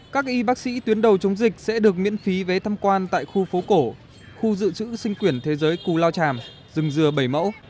các y bác sĩ tuyến đầu chống dịch sẽ được miễn phí vé thăm quan tại khu phố cổ khu dự trữ sinh quyển thế giới cù lao tràm rừng dừa bảy mẫu